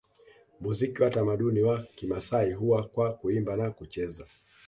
Muziki wa tamaduni wa Kimasai huwa kwa Kuimba na kucheza